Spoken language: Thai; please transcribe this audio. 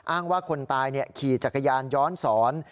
อ้างว่าคนตายขี่จักรยานย้อนสอน